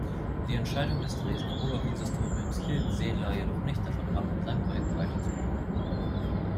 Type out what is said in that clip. Die Entscheidung des Dresdener Oberkonsistoriums hielt Zedler jedoch nicht davon ab, sein Projekt weiterzuverfolgen.